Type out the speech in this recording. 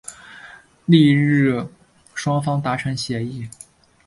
翌日双方达成协议。